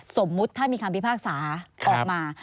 สมมุติถ้ามีคำพิพากษาออกมา